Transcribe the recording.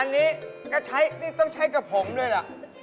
อันนี้ก็ใช้นี่ต้องใช้กับผมเลยล่ะ